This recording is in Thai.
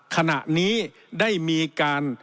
ขณะนี้ได้มีการ